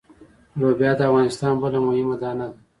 لوبیا د افغانستان بله مهمه دانه ده.